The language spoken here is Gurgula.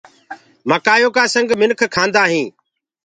مڪآئيو ڪآ سنگ منک کآندآ هينٚ۔